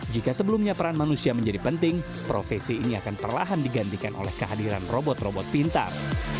jika sebelumnya peran manusia menjadi penting profesi ini akan perlahan digantikan oleh kehadiran robot robot pintar